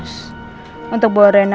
sa adelante leather shop yang ngeri ya